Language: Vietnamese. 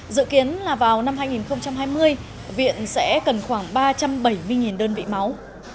dự kiến là vào năm hai nghìn hai mươi viện sẽ cần khoảng ba trăm bảy mươi đơn vị máu